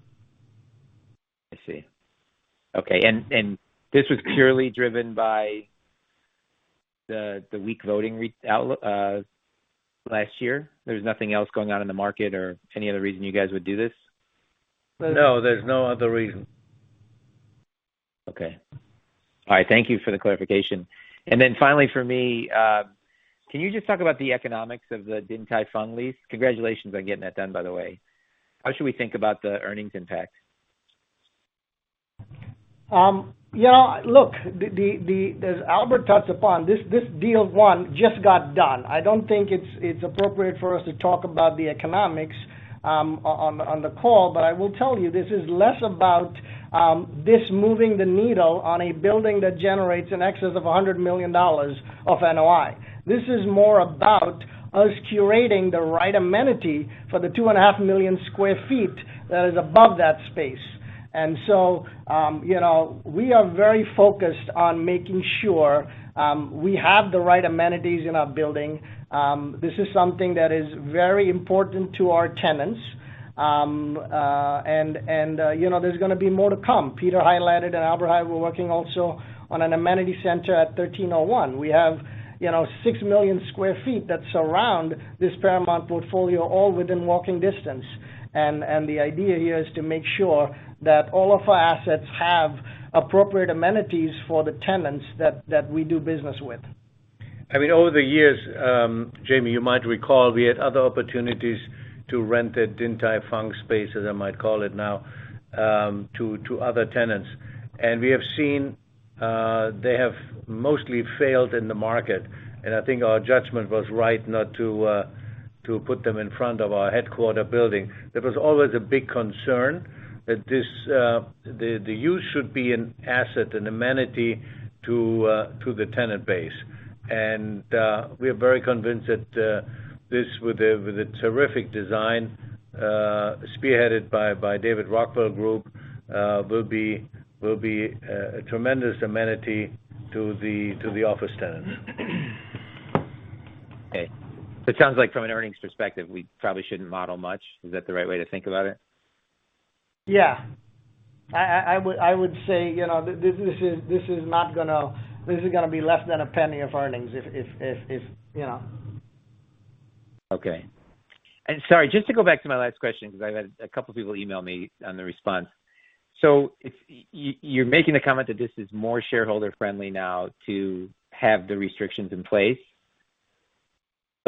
S7: Okay. This was purely driven by the weak voting results last year. There's nothing else going on in the market or any other reason you guys would do this?
S5: No, there's no other reason.
S7: Okay. All right. Thank you for the clarification. Then finally for me, can you just talk about the economics of the Din Tai Fung lease? Congratulations on getting that done, by the way. How should we think about the earnings impact?
S5: Yeah, look, as Albert touched upon this deal one just got done. I don't think it's appropriate for us to talk about the economics on the call. I will tell you, this is less about this moving the needle on a building that generates in excess of $100 million of NOI. This is more about us curating the right amenity for the 2.5 million sq ft that is above that space. You know, we are very focused on making sure we have the right amenities in our building. This is something that is very important to our tenants. You know, there's gonna be more to come. Peter highlighted and Albert highlighted, we're working also on an amenity center at 1301. We have, you know, 6 million sq ft that surround this Paramount portfolio all within walking distance. The idea here is to make sure that all of our assets have appropriate amenities for the tenants that we do business with.
S3: I mean, over the years, Jamie, you might recall we had other opportunities to rent a Din Tai Fung space, as I might call it now, to other tenants. We have seen they have mostly failed in the market. I think our judgment was right not to put them in front of our headquarters building. There was always a big concern that the use should be an asset and amenity to the tenant base. We are very convinced that this with a terrific design spearheaded by Rockwell Group will be a tremendous amenity to the office tenants.
S7: Okay. It sounds like from an earnings perspective, we probably shouldn't model much. Is that the right way to think about it?
S5: Yeah. I would say, you know, this is gonna be less than a penny of earnings if you know.
S7: Okay. Sorry, just to go back to my last question, because I've had a couple people email me on the response. If you're making the comment that this is more shareholder friendly now to have the restrictions in place,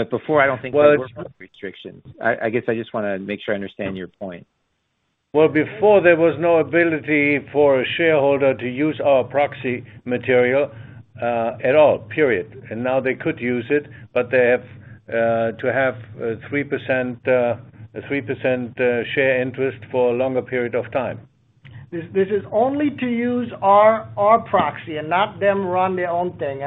S7: but before, I don't think there were restrictions. I guess I just wanna make sure I understand your point.
S3: Well, before there was no ability for a shareholder to use our proxy material at all, period. Now they could use it, but they have to have a 3% share interest for a longer period of time.
S5: This is only to use our proxy and not them run their own thing.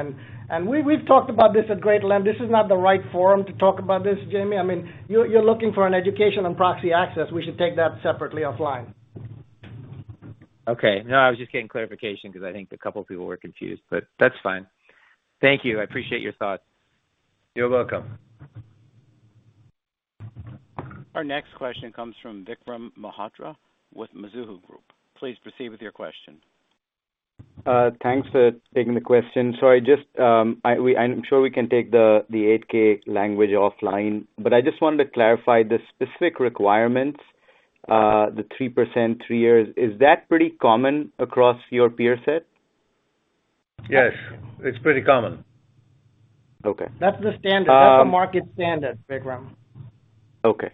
S5: We've talked about this at great length. This is not the right forum to talk about this, Jamie. I mean, you're looking for an education on proxy access. We should take that separately offline.
S7: Okay. No, I was just getting clarification because I think a couple people were confused, but that's fine. Thank you. I appreciate your thoughts.
S3: You're welcome.
S1: Our next question comes from Vikram Malhotra with Mizuho Group. Please proceed with your question.
S8: Thanks for taking the question. I just, I'm sure we can take the 8-K language offline, but I just wanted to clarify the specific requirements, the 3%, three years. Is that pretty common across your peer set?
S3: Yes, it's pretty common.
S8: Okay.
S5: That's the standard.
S8: Um-
S5: That's the market standard, Vikram.
S8: Okay.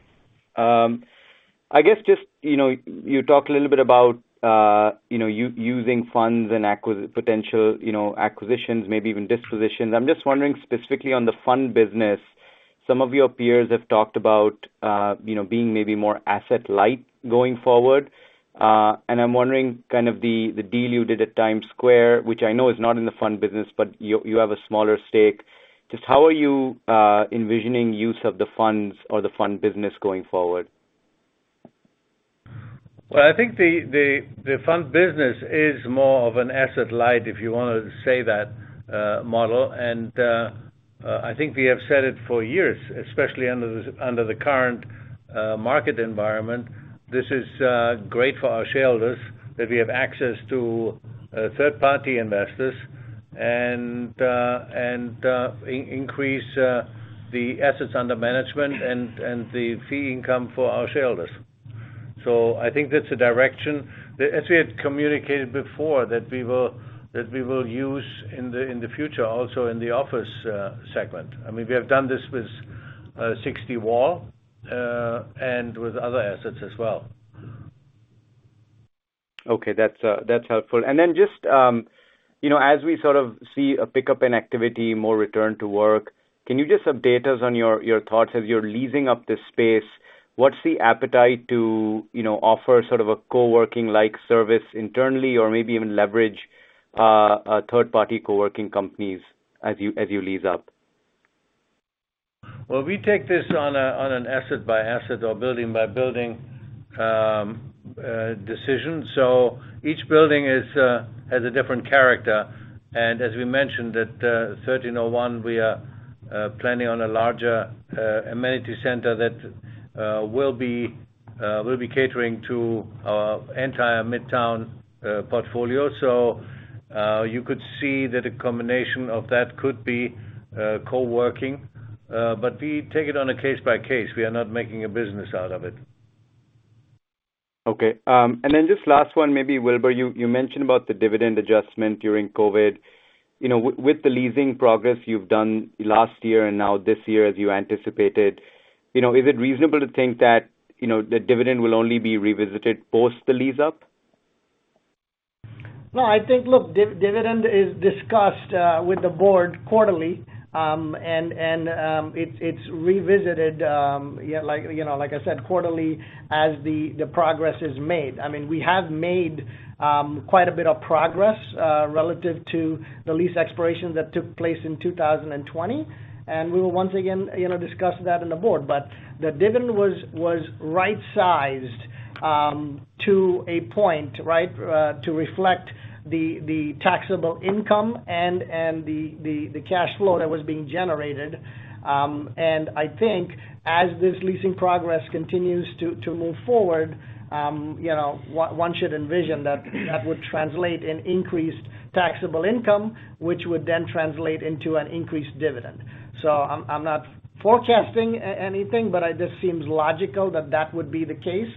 S8: I guess just, you know, you talked a little bit about, you know, using funds and potential, you know, acquisitions, maybe even dispositions. I'm just wondering specifically on the fund business, some of your peers have talked about, you know, being maybe more asset light going forward. I'm wondering kind of the deal you did at Times Square, which I know is not in the fund business, but you have a smaller stake. Just how are you envisioning use of the funds or the fund business going forward?
S3: Well, I think the fund business is more of an asset light, if you wanna say that, model. I think we have said it for years, especially under the current market environment. This is great for our shareholders that we have access to third-party investors and increase the assets under management and the fee income for our shareholders. I think that's a direction that as we had communicated before we will use in the future also in the office segment. I mean, we have done this with Sixty Wall and with other assets as well.
S8: Okay. That's helpful. Then just, you know, as we sort of see a pickup in activity, more return to work, can you just update us on your thoughts as you're leasing up this space? What's the appetite to, you know, offer sort of a co-working like service internally or maybe even leverage a third party co-working companies as you lease up?
S3: Well, we take this on an asset by asset or building by building decision. Each building has a different character. As we mentioned at 1301, we are planning on a larger amenity center that will be catering to our entire Midtown portfolio. You could see that a combination of that could be co-working. We take it on a case by case. We are not making a business out of it.
S8: Okay. Just last one, maybe Wilbur, you mentioned about the dividend adjustment during COVID. You know, with the leasing progress you've done last year and now this year as you anticipated, you know, is it reasonable to think that, you know, the dividend will only be revisited post the lease up?
S5: No, I think, look, dividend is discussed with the board quarterly. It's revisited, yeah, like, you know, like I said, quarterly as the progress is made. I mean, we have made quite a bit of progress relative to the lease expirations that took place in 2020. We will once again, you know, discuss that in the board. The dividend was right-sized to a point, right, to reflect the taxable income and the cash flow that was being generated. I think as this leasing progress continues to move forward, you know, one should envision that that would translate into increased taxable income, which would then translate into an increased dividend. I'm not forecasting anything, but it just seems logical that would be the case.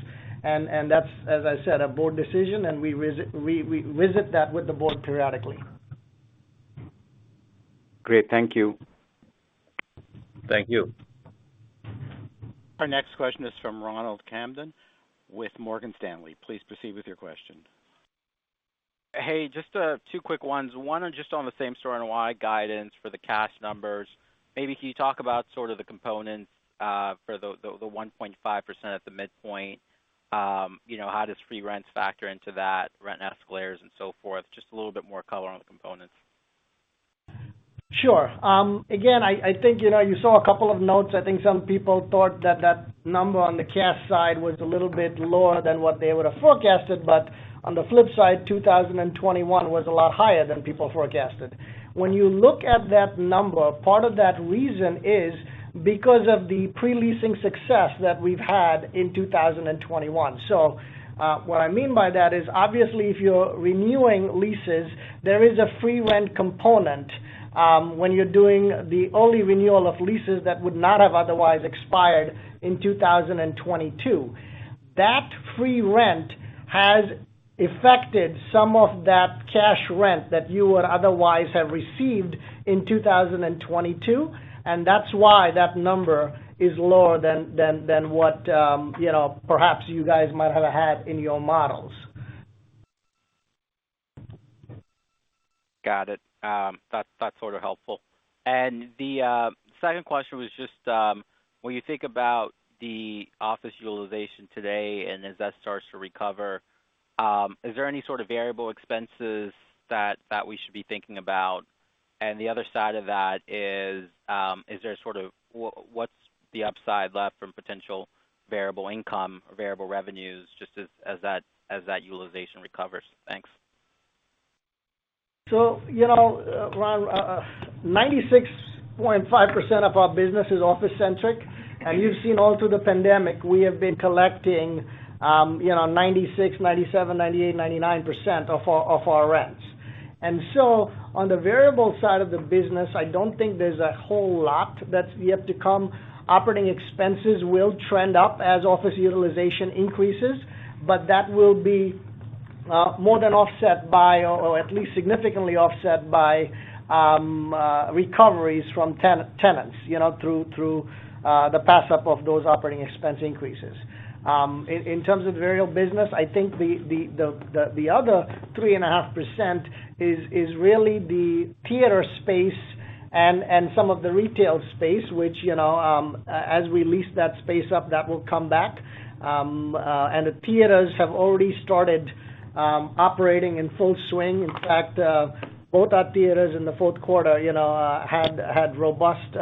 S5: That's, as I said, a board decision, and we visit that with the board periodically.
S8: Great. Thank you.
S3: Thank you.
S1: Our next question is from Ronald Kamdem with Morgan Stanley. Please proceed with your question.
S9: Hey, just two quick ones. One on the same store NOI guidance for the cash numbers. Maybe can you talk about sort of the components for the 1.5% at the midpoint? You know, how does free rents factor into that, rent escalators and so forth? Just a little bit more color on the components.
S5: Sure. Again, I think, you know, you saw a couple of notes. I think some people thought that that number on the cash side was a little bit lower than what they would have forecasted. On the flip side, 2021 was a lot higher than people forecasted. When you look at that number, part of that reason is because of the pre-leasing success that we've had in 2021. What I mean by that is, obviously, if you're renewing leases, there is a free rent component, when you're doing the early renewal of leases that would not have otherwise expired in 2022. That free rent has affected some of that cash rent that you would otherwise have received in 2022, and that's why that number is lower than what you know, perhaps you guys might have had in your models.
S9: Got it. That's sort of helpful. The second question was just when you think about the office utilization today and as that starts to recover, is there any sort of variable expenses that we should be thinking about? The other side of that is. Is there sort of what's the upside left from potential variable income or variable revenues just as that utilization recovers? Thanks.
S5: 96.5% of our business is office centric. You've seen all through the pandemic, we have been collecting 96%, 97%, 98%, 99% of our rents. On the variable side of the business, I don't think there's a whole lot that's yet to come. Operating expenses will trend up as office utilization increases, but that will be more than offset by or at least significantly offset by recoveries from tenants through the pass-through of those operating expense increases. In terms of the variable business, I think the other 3.5% is really the theater space and some of the retail space, which, you know, as we lease that space up, that will come back. The theaters have already started operating in full swing. In fact, both our theaters in the fourth quarter, you know, had robust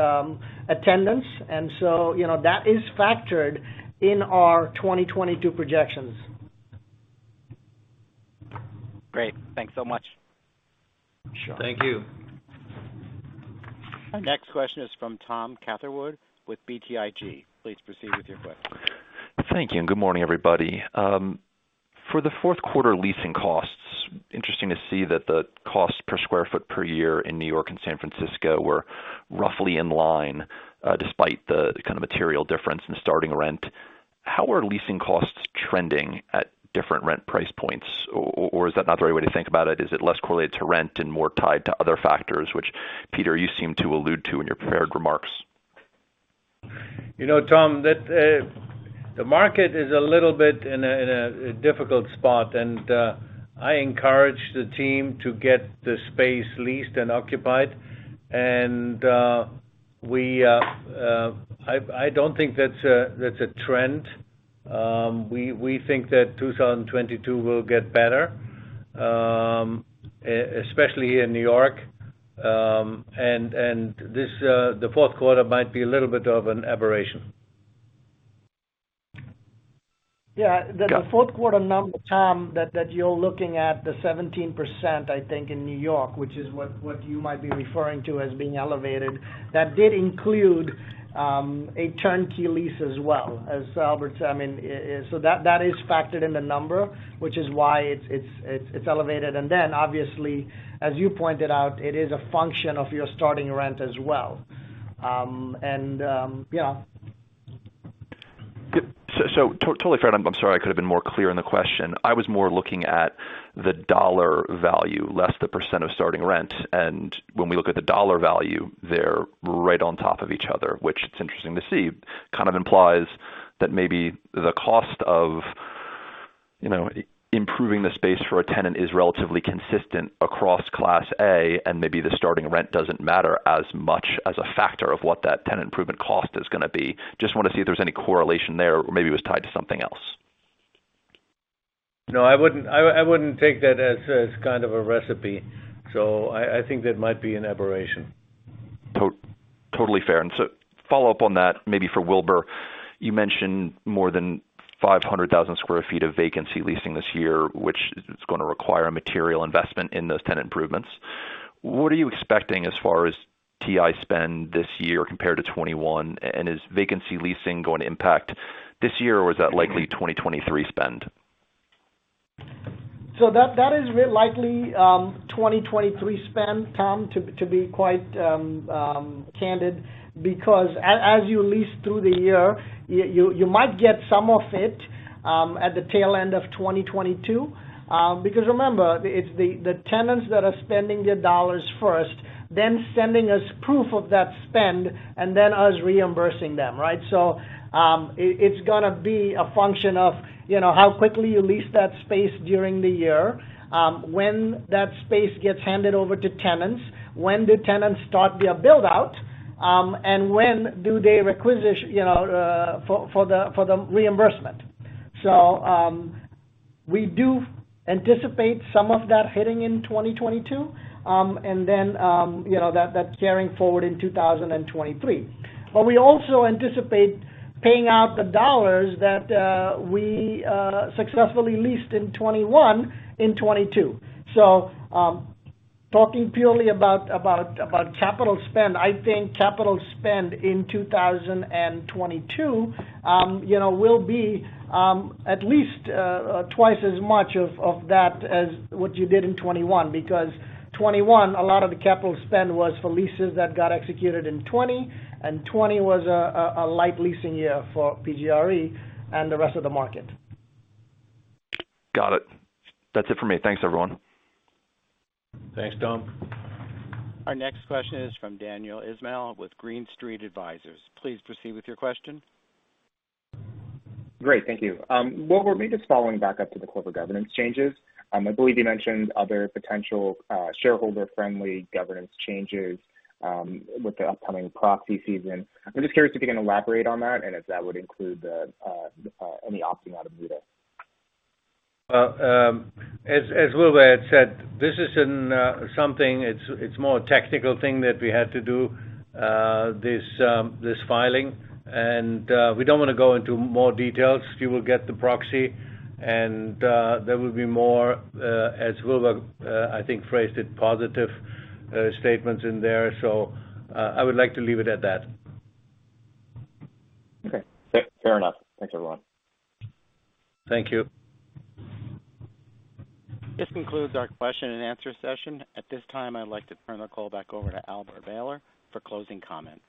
S5: attendance. You know, that is factored in our 2022 projections.
S9: Great. Thanks so much.
S5: Sure.
S3: Thank you.
S1: Our next question is from Tom Catherwood with BTIG. Please proceed with your question.
S10: Thank you, and good morning, everybody. For the fourth quarter leasing costs, interesting to see that the cost per square foot per year in New York and San Francisco were roughly in line, despite the kind of material difference in starting rent. How are leasing costs trending at different rent price points? Or is that not the right way to think about it? Is it less correlated to rent and more tied to other factors, which, Peter, you seem to allude to in your prepared remarks?
S3: You know, Tom, that the market is a little bit in a difficult spot, and I encourage the team to get the space leased and occupied. I don't think that's a trend. We think that 2022 will get better, especially in New York. This, the fourth quarter might be a little bit of an aberration.
S5: Yeah. The fourth quarter number, Tom, that you're looking at, the 17%, I think in New York, which is what you might be referring to as being elevated, that did include a turnkey lease as well, as Albert said. I mean, so that is factored in the number, which is why it's elevated. Then obviously, as you pointed out, it is a function of your starting rent as well. Yeah.
S10: Good. Totally fair, and I'm sorry, I could have been more clear in the question. I was more looking at the dollar value, less the percent of starting rent. When we look at the dollar value, they're right on top of each other, which it's interesting to see. Kind of implies that maybe the cost of, you know, improving the space for a tenant is relatively consistent across Class A, and maybe the starting rent doesn't matter as much as a factor of what that tenant improvement cost is gonna be. Just wanna see if there's any correlation there or maybe it was tied to something else.
S3: No, I wouldn't take that as kind of a recipe. I think that might be an aberration.
S10: Totally fair. Follow up on that, maybe for Wilbur. You mentioned more than 500,000 sq ft of vacancy leasing this year, which is gonna require a material investment in those tenant improvements. What are you expecting as far as TI spend this year compared to 2021? And is vacancy leasing going to impact this year, or is that likely 2023 spend?
S5: That is really likely 2023 spend, Tom, to be quite candid, because as you lease through the year, you might get some of it at the tail end of 2022. Because remember, it's the tenants that are spending their dollars first, then sending us proof of that spend, and then us reimbursing them, right? It's gonna be a function of, you know, how quickly you lease that space during the year, when that space gets handed over to tenants, when do tenants start their build-out, and when do they requisition, you know, for the reimbursement. We do anticipate some of that hitting in 2022, and then, you know, that carrying forward in 2023. We also anticipate paying out the dollars that we successfully leased in 2021 in 2022. Talking purely about capital spend, I think capital spend in 2022, you know, will be at least twice as much of that as what you did in 2021, because 2021, a lot of the capital spend was for leases that got executed in 2020, and 2020 was a light leasing year for PGRE and the rest of the market.
S10: Got it. That's it for me. Thanks, everyone.
S3: Thanks, Tom.
S1: Our next question is from Daniel Ismail with Green Street Advisors. Please proceed with your question.
S11: Great. Thank you. Wilbur, maybe just following back up to the corporate governance changes. I believe you mentioned other potential shareholder-friendly governance changes with the upcoming proxy season. I'm just curious if you can elaborate on that and if that would include any opt-out of MUTA.
S3: As Wilbur had said, it's more a technical thing that we had to do, this filing. We don't wanna go into more details. You will get the proxy and there will be more, as Wilbur I think phrased it, positive statements in there. I would like to leave it at that.
S11: Okay. Fair enough. Thanks, everyone.
S3: Thank you.
S1: This concludes our question and answer session. At this time, I'd like to turn the call back over to Albert Behler for closing comment.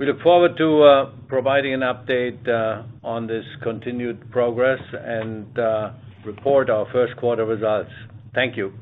S3: We look forward to providing an update on this continued progress and report our first quarter results. Thank you.